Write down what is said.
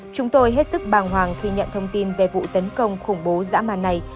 chúng tôi hết sức bàng hoàng khi nhận thông tin về vụ tấn công khủng bố dã man này